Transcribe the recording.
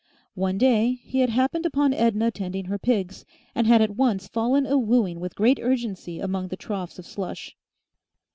One day he had happened upon Edna tending her pigs, and had at once fallen a wooing with great urgency among the troughs of slush.